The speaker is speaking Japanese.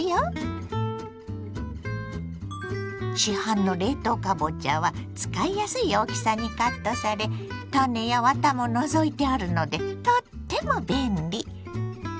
市販の冷凍かぼちゃは使いやすい大きさにカットされ種やワタも除いてあるのでとっても便利。